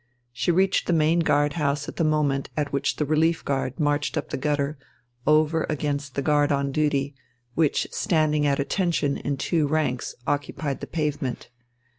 She reached the main guard house at the moment at which the relief guard marched up the gutter, over against the guard on duty, which standing at attention in two ranks occupied the pavement.